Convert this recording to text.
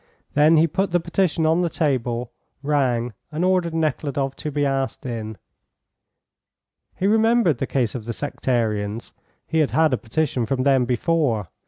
Then he put the petition on the table, rang, and ordered Nekhludoff to be asked in. He remembered the case of the sectarians; he had had a petition from them before.